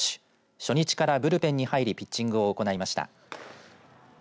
初日からブルペンに入りピッチングを行いました。